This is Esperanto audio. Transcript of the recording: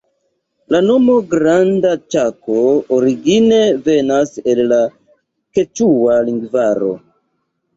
La nomo Granda Ĉako origine venas el la keĉua lingvaro.